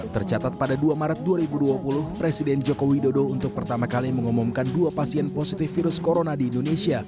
tercatat pada dua maret dua ribu dua puluh presiden joko widodo untuk pertama kali mengumumkan dua pasien positif virus corona di indonesia